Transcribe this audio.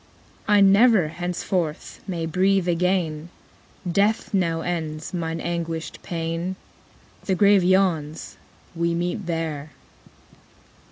'I never, henceforth, may breathe again; Death now ends mine anguished pain. The grave yawns, we meet there.'